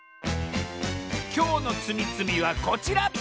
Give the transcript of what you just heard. きょうのつみつみはこちら！